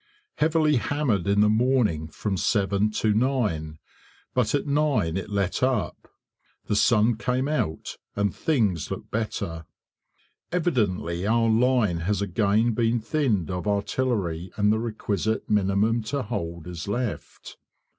Heavily hammered in the morning from 7 to 9, but at 9 it let up; the sun came out and things looked better. Evidently our line has again been thinned of artillery and the requisite minimum to hold is left.